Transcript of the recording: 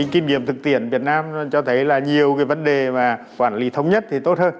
kinh nghiệm thực tiễn việt nam cho thấy là nhiều cái vấn đề mà quản lý thống nhất thì tốt hơn